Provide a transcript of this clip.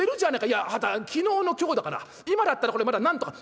いやあんた昨日の今日だから今だったらこれまだなんとか」。